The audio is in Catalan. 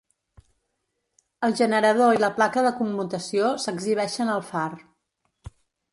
El generador i la placa de commutació s'exhibeixen al far.